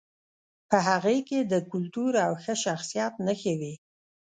په هغې کې د کلتور او ښه شخصیت نښې وې